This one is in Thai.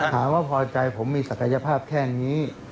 หาว่าพอใจผมมีศักยภาพแค่นี้